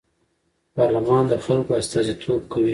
پارلمان د خلکو استازیتوب کوي